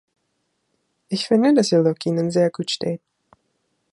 Ich finde, dass Ihr Look Ihnen sehr gut steht.